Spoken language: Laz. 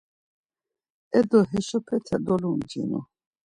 Edo, heşopete dolumcinu.